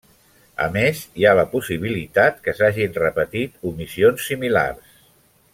A més, hi ha la possibilitat que s'hagin repetit omissions similars.